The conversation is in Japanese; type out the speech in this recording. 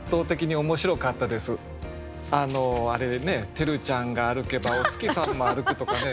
あのあれでね「輝ちゃんが歩けばお月さんも歩く」とかね